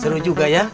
seru juga ya